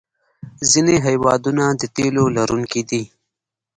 ځینې هېوادونه د تیلو لرونکي دي.